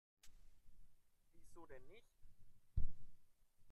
Wieso denn nicht?